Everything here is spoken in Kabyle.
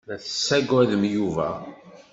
La tessaggadem Yuba.